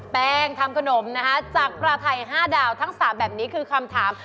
ทำขนมนะคะจากปลาไทย๕ดาวทั้ง๓แบบนี้คือคำถาม